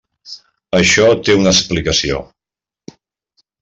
Això té una explicació.